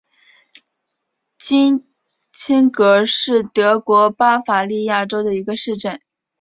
金钦格是德国巴伐利亚州的一个市镇。